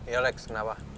yo lex kenapa